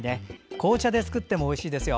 紅茶で作ってもおいしいですよ。